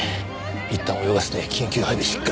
いったん泳がせて緊急配備するか。